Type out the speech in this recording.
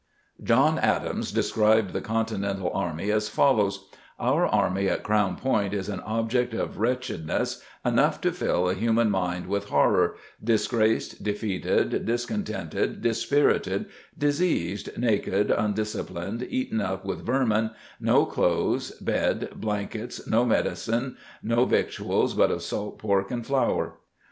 John Adams described the continental army as follows: "Our Army at Crown point is an object of wretchness enough to fill a human mind with horror, disgraced, defeated, discontented, dispirited diseased, naked, undisciplined, eaten up with vermin, no clothes, bed, blankets, no medicines, no vituals but salt pork and flour".